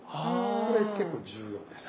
これ結構重要です。